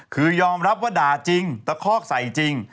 คือยอมรับว่าด่าจริงตะคอกใส่จริง